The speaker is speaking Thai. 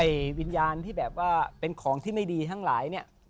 วิญญาณที่แบบว่าเป็นของที่ไม่ดีทั้งหลายเนี่ย